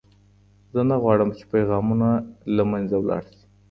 زه نه غواړم چې پیغامونه له منځه ولاړ شي.